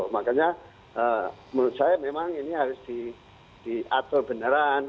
makanya menurut saya memang ini harus diatur beneran